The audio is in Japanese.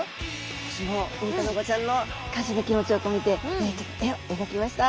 私もウミタナゴちゃんの感謝の気持ちを込めて絵を描きました！